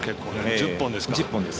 １０本ですか。